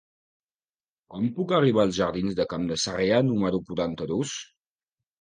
Com puc arribar als jardins del Camp de Sarrià número quaranta-dos?